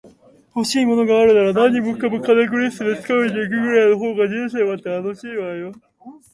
欲しいものがあるなら、何もかもかなぐり捨てて掴みに行くぐらいの方が人生は楽しいわよ